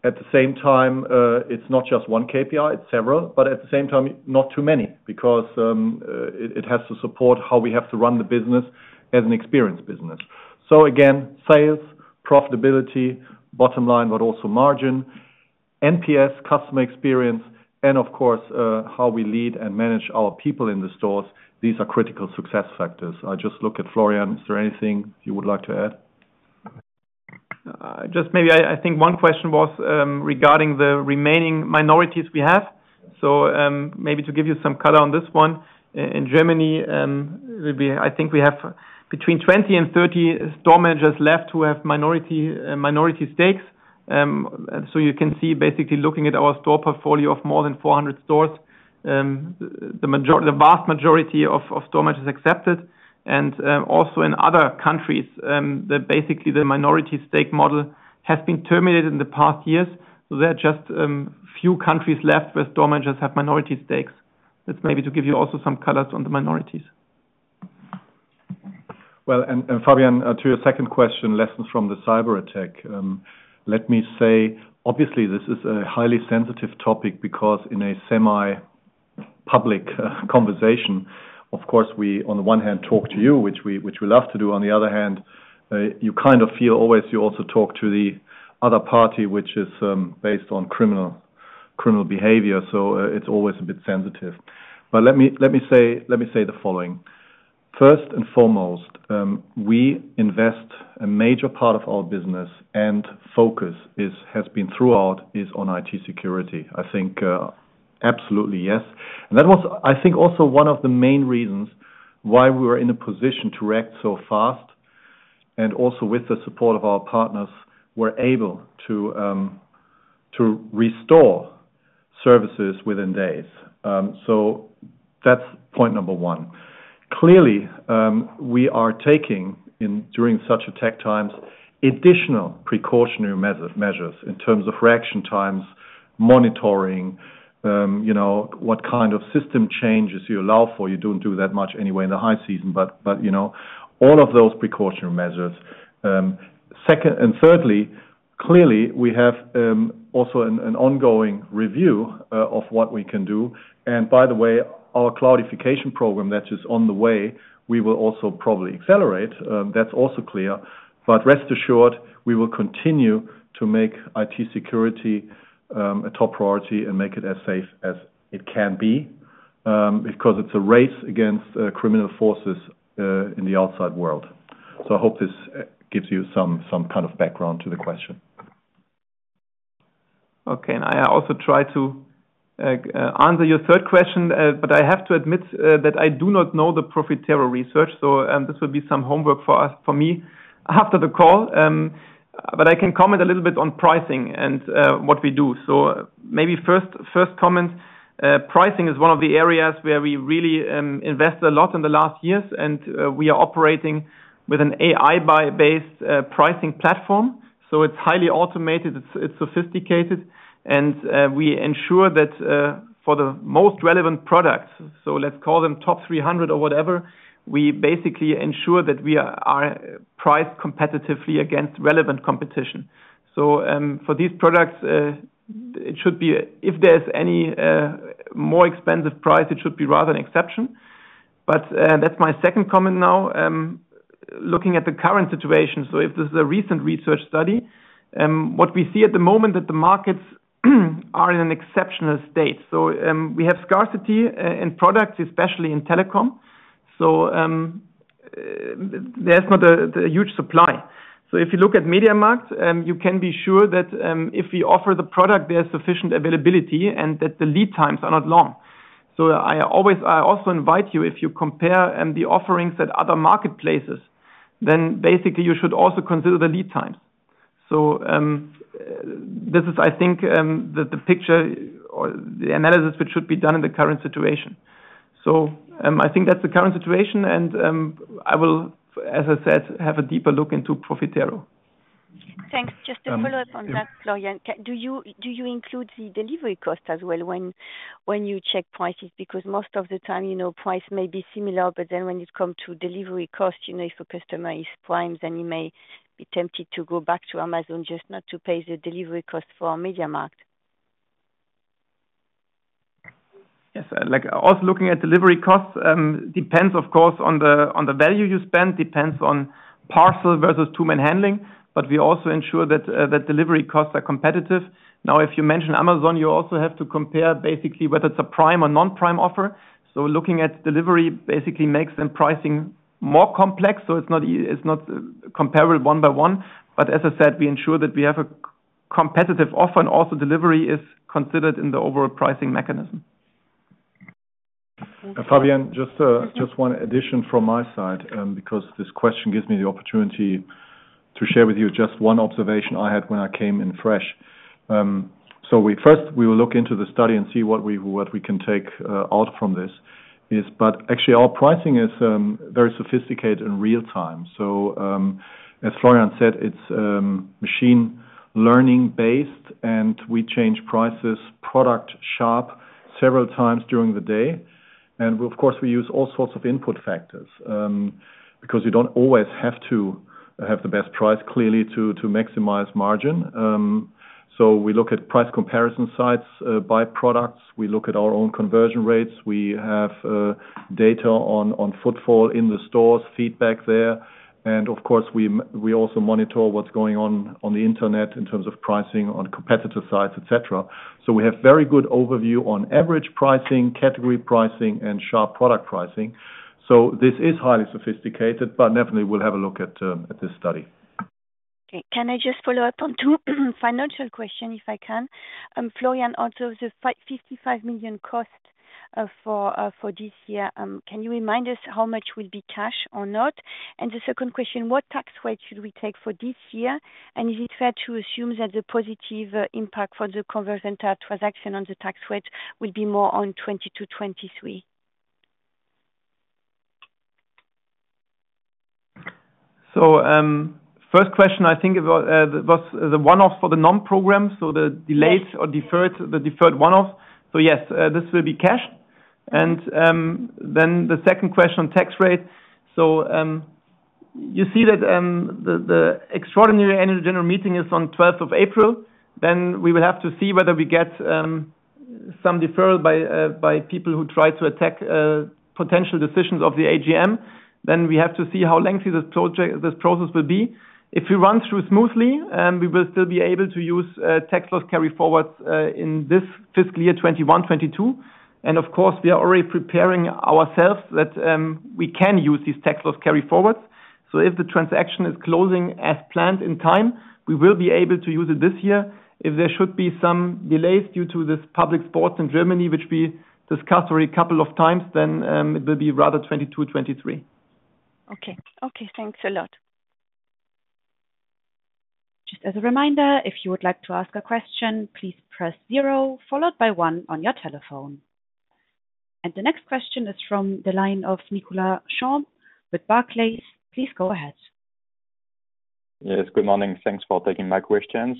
At the same time, it's not just one KPI, it's several, but at the same time, not too many because it has to support how we have to run the business as an experience business. Again, sales, profitability, bottom line, but also margin, NPS, customer experience, and of course, how we lead and manage our people in the stores. These are critical success factors. I just look at Florian. Is there anything you would like to add? Just maybe I think one question was regarding the remaining minorities we have. Maybe to give you some color on this one. In Germany, I think we have between 20 and 30 store managers left who have minority stakes. You can see basically looking at our store portfolio of more than 400 stores, the vast majority of store managers accepted. Also in other countries, basically the minority stake model has been terminated in the past years. There are just few countries left where store managers have minority stakes. That's maybe to give you also some colors on the minorities. Fabienne, to your second question, lessons from the cyberattack. Let me say, obviously this is a highly sensitive topic because in a semi-public conversation, of course, we on the one hand talk to you, which we love to do. On the other hand, you kind of feel always you also talk to the other party, which is based on criminal behavior. It's always a bit sensitive. Let me say the following. First and foremost, we invest a major part of our business and focus has been throughout on IT security. I think absolutely, yes. That was I think also one of the main reasons why we were in a position to react so fast and also with the support of our partners, we're able to restore services within days. That's point number one. Clearly, we are taking in, during such attack times, additional precautionary measures in terms of reaction times, monitoring, you know, what kind of system changes you allow for. You don't do that much anyway in the high season, but you know, all of those precautionary measures. Second and thirdly, clearly, we have also an ongoing review of what we can do. By the way, our cloudification program that is on the way, we will also probably accelerate. That's also clear. Rest assured, we will continue to make IT security a top priority and make it as safe as it can be. Because it's a race against criminal forces in the outside world. I hope this gives you some kind of background to the question. Okay. I also try to answer your third question, but I have to admit that I do not know the Profitero research, so this will be some homework for us, for me after the call. But I can comment a little bit on pricing and what we do. Maybe first comment, pricing is one of the areas where we really invest a lot in the last years and we are operating with an AI-based pricing platform. It's highly automated, it's sophisticated, and we ensure that for the most relevant products, so let's call them top 300 or whatever, we basically ensure that we are priced competitively against relevant competition. For these products, it should be... If there's any more expensive price, it should be rather an exception. That's my second comment now. Looking at the current situation, if this is a recent research study, what we see at the moment that the markets are in an exceptional state. We have scarcity in products, especially in telecom. There's not a huge supply. If you look at MediaMarkt, you can be sure that if we offer the product, there's sufficient availability and that the lead times are not long. I also invite you, if you compare the offerings at other marketplaces, then basically you should also consider the lead times. This is, I think, the picture or the analysis which should be done in the current situation. I think that's the current situation and, as I said, I will have a deeper look into Profitero. Thanks. Just to follow up on that, Florian, do you include the delivery cost as well when you check prices? Because most of the time, you know, price may be similar, but then when it comes to delivery cost, you know, if a customer is Prime, then you may be tempted to go back to Amazon just not to pay the delivery cost for MediaMarkt. Yes. Like, also looking at delivery costs, depends of course on the value you spend, depends on parcel versus two-man handling. But we also ensure that delivery costs are competitive. Now, if you mention Amazon, you also have to compare basically whether it's a Prime or non-Prime offer. So looking at delivery basically makes the pricing more complex. So it's not comparable one by one. But as I said, we ensure that we have a competitive offer and also delivery is considered in the overall pricing mechanism. Fabienne, just one addition from my side, because this question gives me the opportunity to share with you just one observation I had when I came in fresh. We first will look into the study and see what we can take out from this. Yes, but actually our pricing is very sophisticated in real time. As Florian said, it's machine learning based, and we change prices, product, shop several times during the day. Of course, we use all sorts of input factors, because we don't always have to have the best price, clearly, to maximize margin. We look at price comparison sites by products. We look at our own conversion rates. We have data on footfall in the stores, feedback there. Of course, we also monitor what's going on on the Internet in terms of pricing on competitor sites, et cetera. We have very good overview on average pricing, category pricing, and shop product pricing. This is highly sophisticated, but definitely we'll have a look at this study. Okay. Can I just follow up on two financial question, if I can? Florian, out of the 55 million cost for this year, can you remind us how much will be cash or not? And the second question, what tax rate should we take for this year? And is it fair to assume that the positive impact for the Convergenta transaction on the tax rate will be more on 2022/2023? First question, I think, about what was the one-off for the NOM program, so the delayed- Yes. Deferred, the deferred one-off. Yes, this will be cash. The second question, tax rate. You see that, the extraordinary Annual General Meeting is on April 12th. We will have to see whether we get some deferral by people who try to attack potential decisions of the AGM. We have to see how lengthy this process will be. If we run through smoothly, we will still be able to use tax loss carry forwards in this fiscal year, 2021/2022. Of course, we are already preparing ourselves that we can use these tax loss carry forwards. If the transaction is closing as planned in time, we will be able to use it this year. If there should be some delays due to this public disputes in Germany, which we discussed already a couple of times, then it will be rather 2022/2023. Okay. Okay, thanks a lot. Just as a reminder, if you would like to ask a question, please press zero followed by one on your telephone. The next question is from the line of Nicolas Champ with Barclays. Please go ahead. Yes, good morning. Thanks for taking my questions.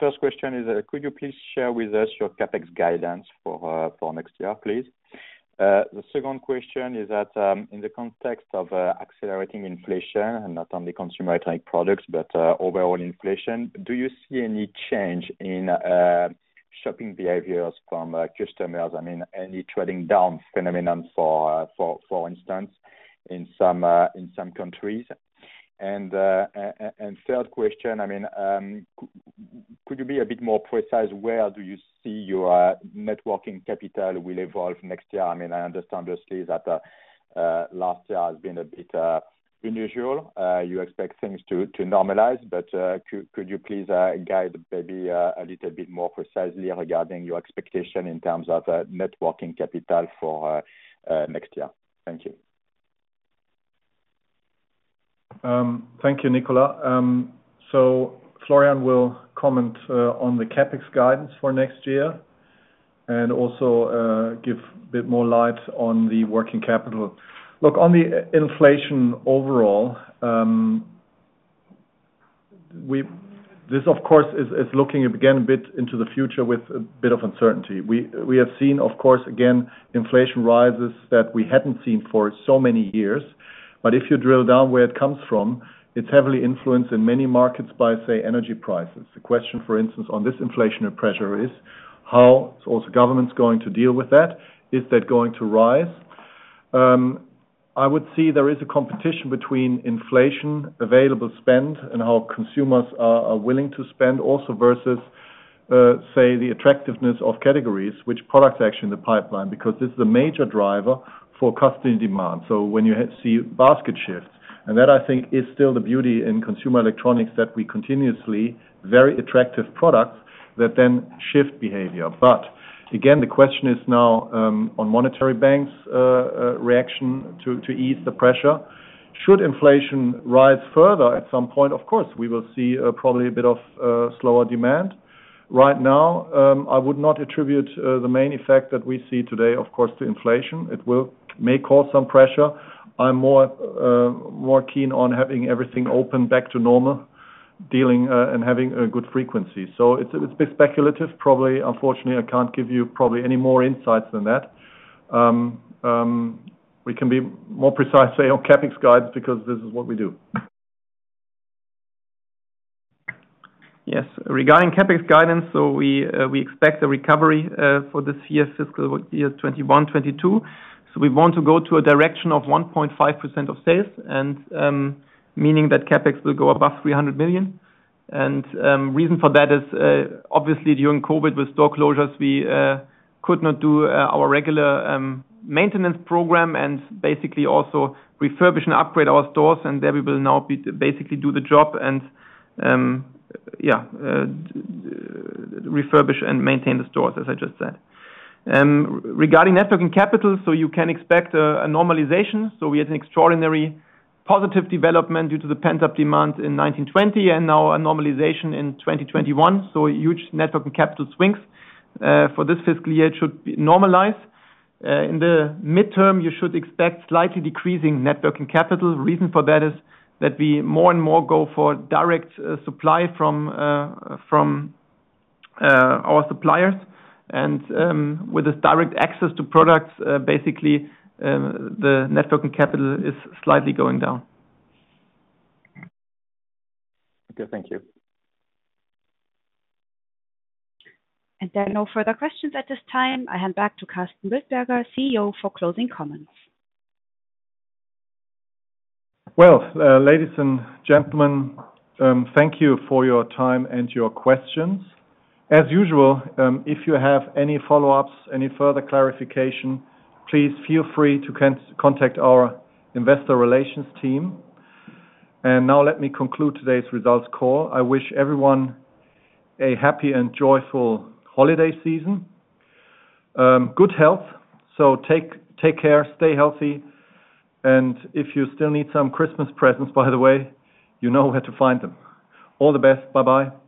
First question is, could you please share with us your CapEx guidance for next year, please? The second question is that, in the context of accelerating inflation and not only consumer electronics products, but overall inflation, do you see any change in shopping behaviors from customers? I mean, any trading down phenomenon for instance, in some countries? Third question, I mean, could you be a bit more precise where do you see your net working capital will evolve next year? I mean, I understand obviously that last year has been a bit unusual. You expect things to normalize. Could you please guide maybe a little bit more precisely regarding your expectation in terms of net working capital for next year? Thank you. Thank you, Nicolas. Florian will comment on the CapEx guidance for next year and also give a bit more light on the working capital. Looking at the inflation overall, this of course is looking again a bit into the future with a bit of uncertainty. We have seen, of course, again, inflation rises that we hadn't seen for so many years. If you drill down where it comes from, it's heavily influenced in many markets by, say, energy prices. The question, for instance, on this inflationary pressure is how governments are also going to deal with that? Is that going to rise? I would say there is a competition between inflation, available spend, and how consumers are willing to spend also versus, say the attractiveness of categories, which products are actually in the pipeline, because this is a major driver for customer demand. When you see basket shifts, and that I think is still the beauty in consumer electronics, that we continuously have very attractive products that then shift behavior. Again, the question is now on central banks' reaction to ease the pressure. Should inflation rise further at some point, of course, we will see probably a bit of slower demand. Right now, I would not attribute the main effect that we see today, of course, to inflation. It may cause some pressure. I'm more keen on having everything open back to normal, dealing and having a good frequency. It's a bit speculative, probably. Unfortunately, I can't give you probably any more insights than that. We can be more precise, say, on CapEx guides, because this is what we do. Yes. Regarding CapEx guidance, we expect a recovery for this year, fiscal year 2021/2022. We want to go in a direction of 1.5% of sales, meaning that CapEx will go above 300 million. Reason for that is obviously during COVID with store closures, we could not do our regular maintenance program and basically also refurbish and upgrade our stores. There we will now basically do the job and refurbish and maintain the stores, as I just said. Regarding net working capital, you can expect a normalization. We had an extraordinary positive development due to the pent-up demand in 2019-2020 and now a normalization in 2021. Huge net working capital swings for this fiscal year, it should normalize. In the mid-term, you should expect slightly decreasing net working capital. The reason for that is that we more and more go for direct supply from our suppliers. With this direct access to products, the net working capital is slightly going down. Okay, thank you. There are no further questions at this time. I hand back to Karsten Wildberger, CEO, for closing comments. Well, ladies and gentlemen, thank you for your time and your questions. As usual, if you have any follow-ups, any further clarification, please feel free to contact our investor relations team. Now let me conclude today's results call. I wish everyone a happy and joyful holiday season. Good health. Take care, stay healthy. If you still need some Christmas presents, by the way, you know where to find them. All the best. Bye-bye.